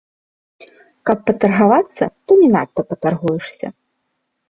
Каб патаргавацца, то не надта патаргуешся.